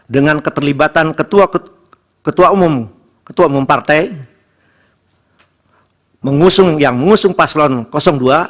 dengan keterlibatan ketua umum partai yang mengusung paslawan no dua